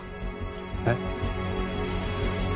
えっ？